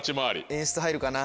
演出入るかな。